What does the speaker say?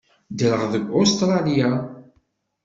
Ddreɣ deg Ustṛalya.